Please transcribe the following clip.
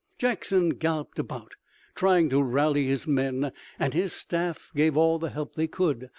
Jackson galloped about, trying to rally his men, and his staff gave all the help they could.